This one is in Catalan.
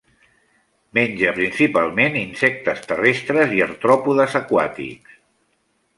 Menja principalment insectes terrestres i artròpodes aquàtics.